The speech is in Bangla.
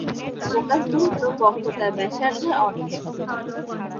ফোকাস দূরত্ব বক্রতার ব্যাসার্ধের অর্ধেক।